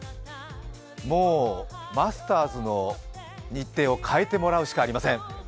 もうマスターズの日程を変えてもらうしかありません。